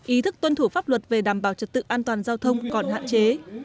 ý thức tuân thủ pháp luật về đảm bảo trật tự an toàn giao thông còn hạn chế